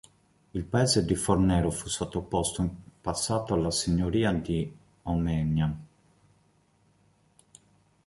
Il paese di Fornero fu sottoposto in passato alla signoria di Omegna.